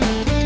ya itu dia